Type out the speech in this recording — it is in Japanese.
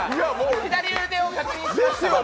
左腕を確認しました。